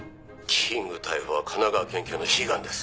「キング逮捕は神奈川県警の悲願です」